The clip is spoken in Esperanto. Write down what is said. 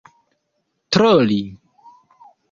troli